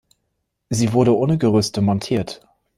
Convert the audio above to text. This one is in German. Sie wurde ohne Gerüste montiert.